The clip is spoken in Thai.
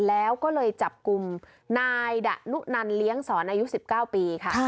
แล้วก็เลยจับกลุ่มนายดะนุนันเลี้ยงสอนอายุ๑๙ปีค่ะ